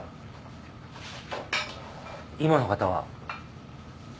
今の方は？